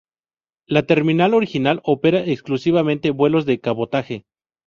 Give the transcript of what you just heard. La terminal original opera exclusivamente vuelos de cabotaje.